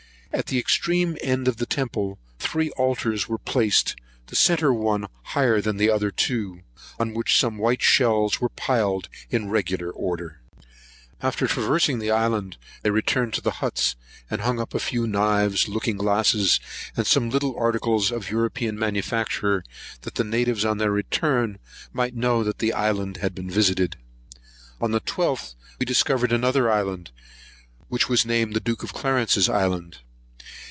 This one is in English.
At the extreme end of the temple, three altars were placed, the centre one higher than the other two, on which some white shells were piled in regular order.[128 1] After traversing the island, they returned to the huts, and hung up a few knives, looking glasses, and some little articles of European manufacture, that the natives, on their return, might know the island had been visited. On the 12th, we discovered another island, which was named the Duke of Clarence's island.